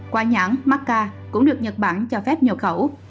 quả nhãn macca cũng được nhật bản cho phép nhập khẩu